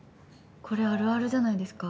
これ、あるあるじゃないですか？